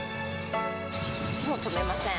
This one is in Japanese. もう止めません。